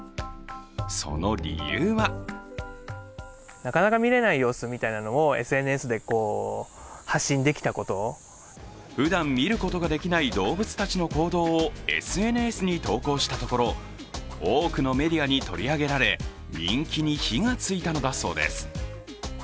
その理由はふだん見ることかできない動物たちの行動をＳＮＳに投稿したところ多くのメディアに取り上げられ、人気に火がついたのだそうです。